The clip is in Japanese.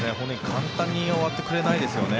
簡単に終わってくれないですね。